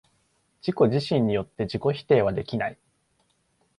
自己自身によって自己否定はできない。